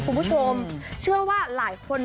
คุณผู้ชมเชื่อว่าหลายคน